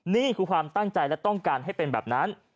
นี่คือความตั้งใจและต้องการให้เป็นแบบนั้น